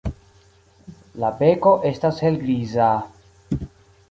La beko estas helgriza.